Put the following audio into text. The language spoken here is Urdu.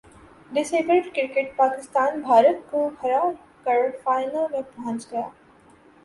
ڈس ایبلڈ کرکٹ پاکستان بھارت کو ہراکر فائنل میں پہنچ گیا